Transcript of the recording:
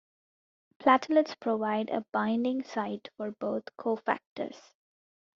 Platelets provide a binding site for both cofactors.